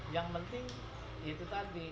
yang penting itu tadi